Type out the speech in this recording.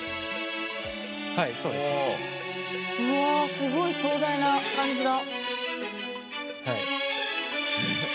すごい壮大な感じだ。